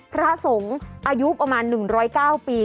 พระสงฆ์อายุประมาณ๑๐๙ปี